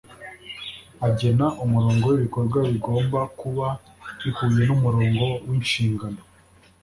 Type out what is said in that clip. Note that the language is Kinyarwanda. agena umurongo wibikorwa bigomba kuba bihuye numurongo winshingano.